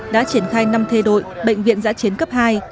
đã triển khai năm thê đội bệnh viện giã chiến cấp hai